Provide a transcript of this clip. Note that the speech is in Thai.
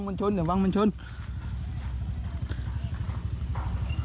เมื่อเวลามันกลายเป้าหมาย